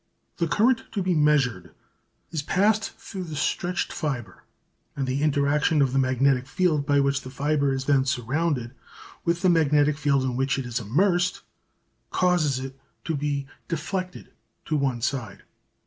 The current to be measured, then, is passed through the stretched fibre and the interaction of the magnetic field by which the fibre is then surrounded, with the magnetic field in which it is immersed, causes it to be deflected to one side.